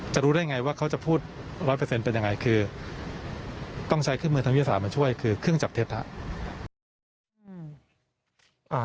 จะรู้ได้ยังไงว่าเขาจะพูดร้อยเปอร์เซ็นต์เป็นยังไงคือต้องใช้เครื่องจับเท็จครับ